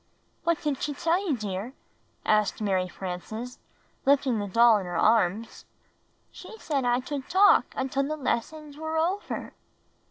"What did ^he tell you, dear? " asked Mary Frances, lifting the doll in her arms. "She said that I tould talk until the lessons were over."